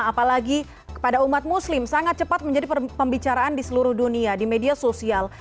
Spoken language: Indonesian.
apalagi kepada umat muslim sangat cepat menjadi pembicaraan di seluruh dunia di media sosial